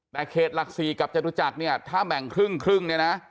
แต่เขตหลัก๔กับจตุจักรเนี่ยถ้าแบ่งครึ่งเนี่ยนะ